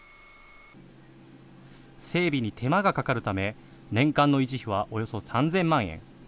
整備に手間がかかるため年間の維持費はおよそ３０００万円。